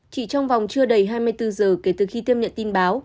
chỉ trong vòng trưa đầy hai mươi bốn h kể từ khi thêm nhận tin báo